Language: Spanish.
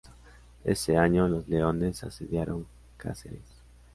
Ese año, los leoneses asediaron Cáceres.